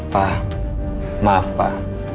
pak maaf pak